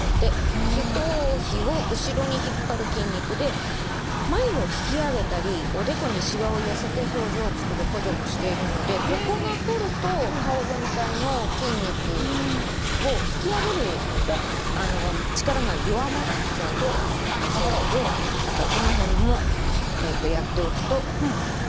頭皮を後ろに引っ張る筋肉でまゆを引き上げたりおでこにしわを寄せて表情をつくる補助もしているのでここが凝ると顔全体の筋肉を引き上げる力が弱まっちゃうんだそうでだからこの辺もやっておくといいようです。